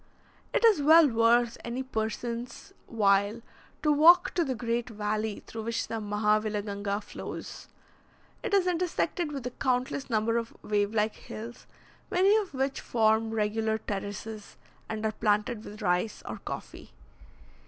It is well worth any person's while to walk to the great valley through which the Mahavilaganga flows. It is intersected with a countless number of wave like hills, many of which form regular terraces, and are planted with rice or coffee.